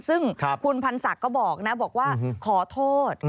ซึ่งคุณพรรณศักดิ์ก็บอกว่าขอโทษ